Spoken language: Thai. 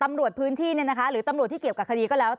ตำรวจพื้นที่หรือตำรวจที่เกี่ยวกับคดีก็แล้ว